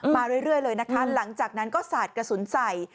มาเรื่อยเลยนะคะหลังจากนั้นก็สาดกระสุนใส่